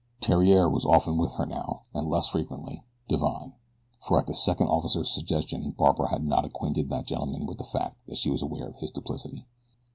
Theriere was often with her now, and, less frequently, Divine; for at the second officer's suggestion Barbara had not acquainted that gentleman with the fact that she was aware of his duplicity.